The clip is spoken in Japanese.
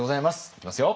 いきますよ。